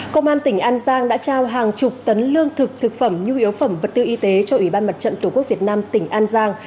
công an tỉnh an giang đã trao hàng chục tấn lương thực thực phẩm nhu yếu phẩm vật tư y tế cho ủy ban mặt trận tổ quốc việt nam tỉnh an giang